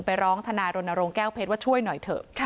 ไปร้องทนายรณรงค์แก้วเพชรว่าช่วยหน่อยเถอะ